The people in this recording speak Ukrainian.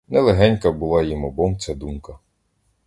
Не легенька була їм обом ця думка!